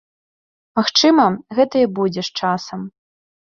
Магчыма, гэта і будзе з часам.